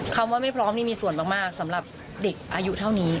คำว่าไม่พร้อมนี่มีส่วนมากสำหรับเด็กอายุเท่านี้